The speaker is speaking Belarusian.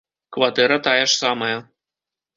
Кватэра тая ж самая.